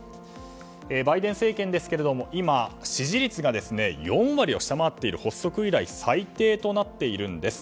バイデン政権ですが今支持率が４割を下回っていて発足以来最低となっているんです。